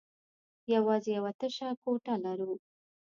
يواځې يوه تشه کوټه لرو.